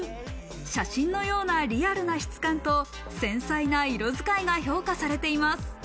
写真のようなリアルな質感と繊細な色使いが評価されています。